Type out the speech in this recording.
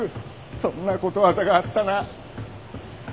そんなことわざがあったな。